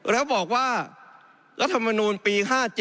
แล้วบอกว่ารัฐธรรมนุนปี๕๗